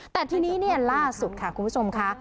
แต่ทีนี้เนี่ยล่าสุดค่ะคุณผู้ชมค่ะ